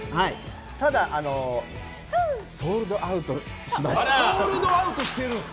ただ、ソールドアウトしまして。